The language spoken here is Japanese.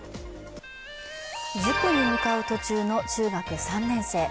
塾に向かう途中の中学３年生。